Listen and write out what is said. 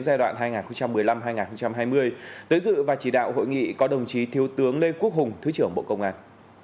giai đoạn hai nghìn một mươi năm hai nghìn hai mươi tới dự và chỉ đạo hội nghị có đồng chí thiếu tướng lê quốc hùng thứ trưởng bộ công an